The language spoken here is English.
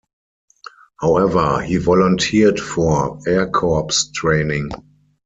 However, he volunteered for Air Corps training.